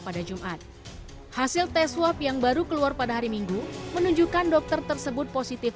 pada jumat hasil tes swab yang baru keluar pada hari minggu menunjukkan dokter tersebut positif